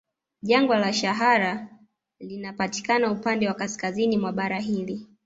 Jangwa la Shara linapatikana upande wa kaskazini mwa bara hili